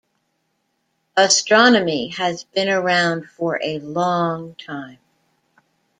Astronomy has been around for a long time.